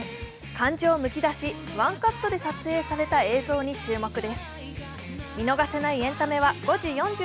感情むき出し、ワンカットで撮影された映像に注目です。